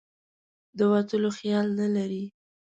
د وتلو خیال نه لري.